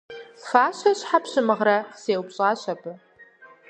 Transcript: – Фащэ щхьэ пщымыгърэ? – сеупщӀащ абы.